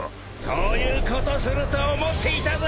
そういうことすると思っていたぞ！